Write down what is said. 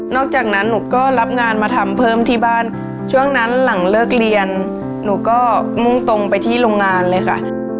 จากนั้นหนูก็รับงานมาทำเพิ่มที่บ้านช่วงนั้นหลังเลิกเรียนหนูก็มุ่งตรงไปที่โรงงานเลยค่ะ